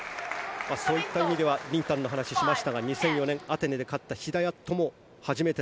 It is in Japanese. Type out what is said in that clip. そういった意味ではリン・タンの話をしましたが２００４年アテネで勝った選手